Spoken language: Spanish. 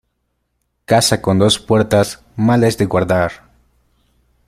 Casa con dos puertas, mala es de guardar.